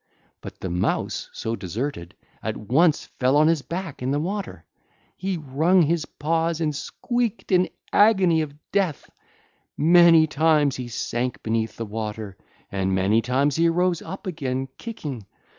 But the Mouse, so deserted, at once fell on his back, in the water. He wrung his paws and squeaked in agony of death: many times he sank beneath the water and many times he rose up again kicking.